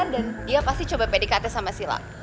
dan dia pasti coba pdkt sama sila